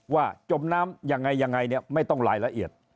ว่าจมน้ำยังไงยังไงไม่ต้องหลายละเอียด